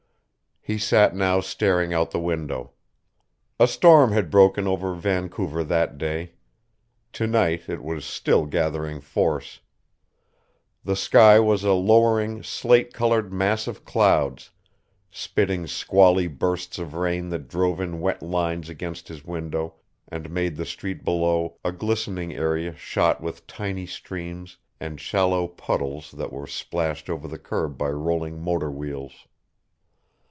He sat now staring out the window. A storm had broken over Vancouver that day. To night it was still gathering force. The sky was a lowering, slate colored mass of clouds, spitting squally bursts of rain that drove in wet lines against his window and made the street below a glistening area shot with tiny streams and shallow puddles that were splashed over the curb by rolling motor wheels.